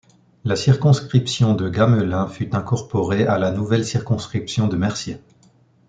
La circonscription de Gamelin fut incorporée à la nouvelle circonscription de Mercier.